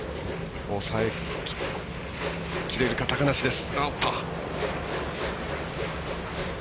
抑えきれるか、高梨です。